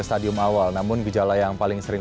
stadium awal namun gejala yang paling sering